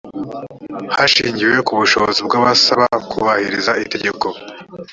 hashingiwe ku bushobozi bw abasaba kubahiriza itegeko